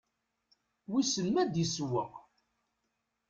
Wissen ma ad issewweq?